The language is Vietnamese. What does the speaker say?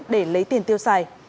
để lấy tiền tiêu xài